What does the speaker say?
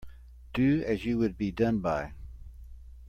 Do as you would be done by.